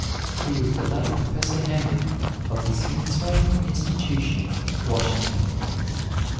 He was the late Professor Henry, of the Smithsonian Institution, Washington.